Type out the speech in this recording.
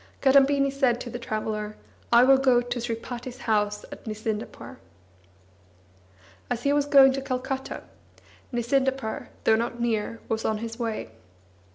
Kadambini said to the traveller: "I will go to Sripati's house at Nisindapur." As he was going to Calcutta, Nisindapur, though not near, was on his way.